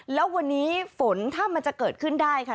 แล้ววันนี้ฝนถ้ามันจะเกิดขึ้นได้ค่ะ